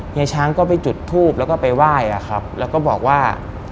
ยายช้างก็ไปจุดทูบแล้วก็ไปไหว้อะครับแล้วก็บอกว่า